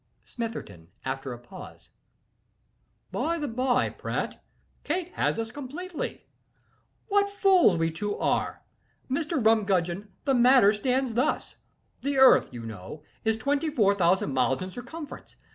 SMITHERTON. (After a pause.) "By the by, Pratt, Kate has us completely. What fools we two are! Mr. Rumgudgeon, the matter stands thus: the earth, you know, is twenty four thousand miles in circumference.